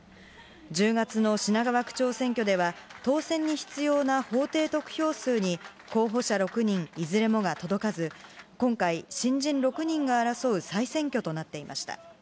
１０月の品川区長選挙では、当選に必要な法定得票数に候補者６人いずれもが届かず、今回、新人６人が争う再選挙となっていました。